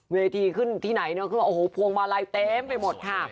เวทีขึ้นที่ไหนพวงมาลัยเต็มไปหมดค่ะ